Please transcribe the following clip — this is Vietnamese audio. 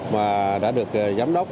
mà đã được giám đốc